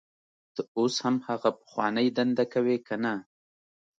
ته اوس هم هغه پخوانۍ دنده کوې کنه